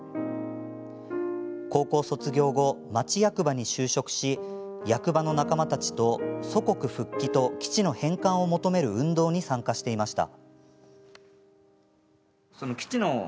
高校卒業後、町役場に就職し役場の仲間たちと祖国復帰と基地の返還を求める運動に参加していました。